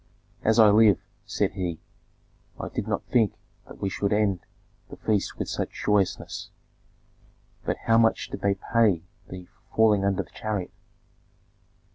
"As I live," said he, "I did not think that we should end the feast with such joyousness. But how much did they pay thee for falling under the chariot?"